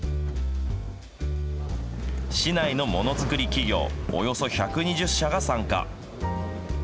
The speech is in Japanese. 市内のものづくり企業、およそ１２０社が参加。